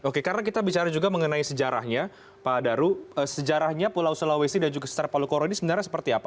oke karena kita bicara juga mengenai sejarahnya pak daru sejarahnya pulau sulawesi dan juga setara palu koro ini sebenarnya seperti apa